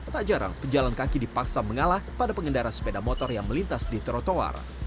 tak jarang pejalan kaki dipaksa mengalah pada pengendara sepeda motor yang melintas di trotoar